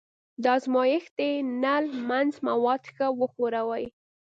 د ازمایښتي نل منځ مواد ښه وښوروئ.